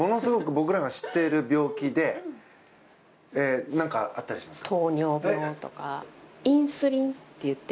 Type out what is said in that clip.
僕らが知っている病気で何かあったりしますか？